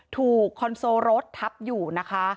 คอนโซลรถทับอยู่นะคะ